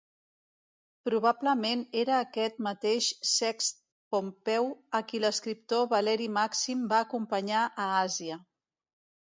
Probablement era aquest mateix Sext Pompeu, a qui l'escriptor Valeri Màxim va acompanyar a Àsia.